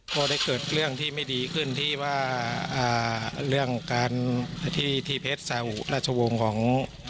ก็ได้เกิดเรื่องที่ไม่ดีขึ้นที่ว่าเรื่องการที่เพชรสาหุราชวงศ์ของ